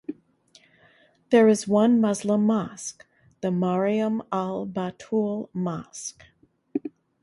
There is one Muslim mosque, the Mariam Al-Batool Mosque.